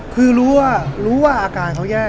คือรู้ว่ารู้ว่าอาการเขาแย่